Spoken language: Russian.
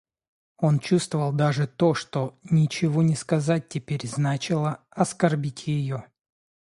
Он чувствовал даже то, что ничего не сказать теперь значило оскорбить ее.